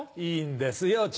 いいんですよ